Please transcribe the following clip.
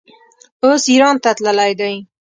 اوس ایران ته تللی دی.